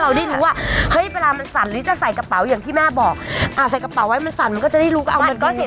ได้รู้ว่าเฮ้ยเวลามันสั่นหรือจะใส่กระเป๋าอย่างที่แม่บอกอ่าใส่กระเป๋าไว้มันสั่นมันก็จะได้รู้ก็เอามันก็เสีย